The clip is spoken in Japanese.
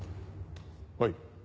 はい。